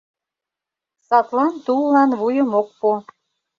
Садлан туллан вуйым ок пу.